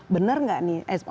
benar nggak nih